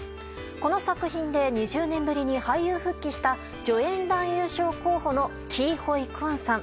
この作品で２０年ぶりに俳優復帰した助演男優賞候補のキー・ホイ・クァンさん。